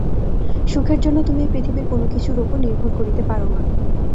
সুখের জন্য তুমি এই পৃথিবীর কোন কিছুর উপর নির্ভর করিতে পার না।